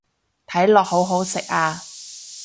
睇落好好食啊